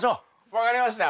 分かりました。